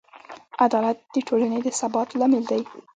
عدالت د ټولنې د ثبات لامل دی.